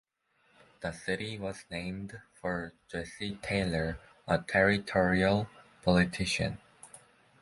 The city was named for Jesse Taylor, a territorial politician.